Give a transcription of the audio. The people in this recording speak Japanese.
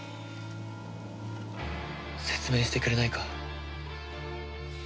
説明してくれないか？